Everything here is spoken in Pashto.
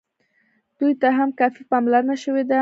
دوی ته هم کافي پاملرنه شوې ده.